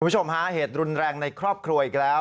คุณผู้ชมฮะเหตุรุนแรงในครอบครัวอีกแล้ว